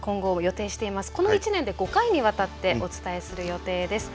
この一年で５回にわたってお伝えする予定です。